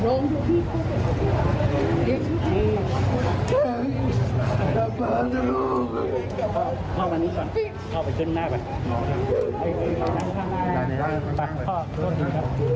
ปี๖๕วันเช่นเดียวกัน